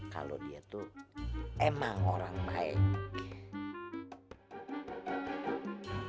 kalau dia tuh emang orang main